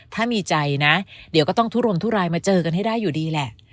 ถ้ามีใจนะเดี๋ยวก็ต้องทุรนทุรายมาเจอกันให้ได้อยู่ดีแหละ